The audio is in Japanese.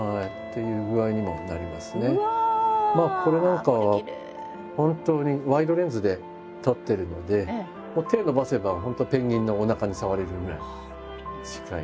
まあこれなんかは本当にワイドレンズで撮ってるので手伸ばせば本当ペンギンのおなかに触れるぐらい近い。